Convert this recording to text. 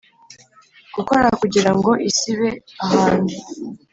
gukora, kugira ngo isi ibe ahantu